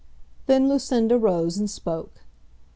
Then Lucinda rose and spoke.